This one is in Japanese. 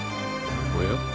［おや？